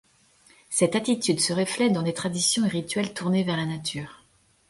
Cette attitude se reflète dans des traditions et rituels tournés vers la nature.